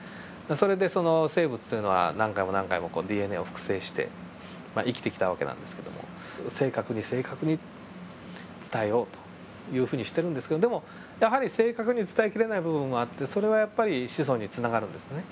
それで生物というのは何回も何回もＤＮＡを複製してまあ生きてきた訳なんですけども正確に正確に伝えようというふうにしてるんですけどでもやはり正確に伝えきれない部分もあってそれはやっぱり子孫につながるんですね。